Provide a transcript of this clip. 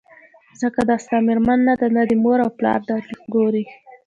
ځکه دا ستا مېرمن نه ده نه دي مور او پلار درګوري